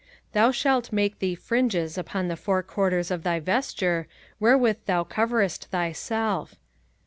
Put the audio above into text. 05:022:012 Thou shalt make thee fringes upon the four quarters of thy vesture, wherewith thou coverest thyself.